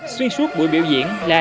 xuyên suốt buổi biểu diễn là